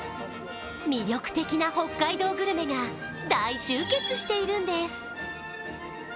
魅力的な北海道グルメが大集結しているんです！